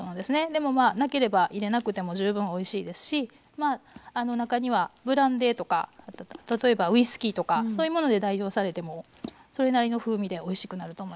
でもなければ入れなくても十分おいしいですし中にはブランデーとか例えばウイスキーとかそういうもので代用されてもそれなりの風味でおいしくなると思います。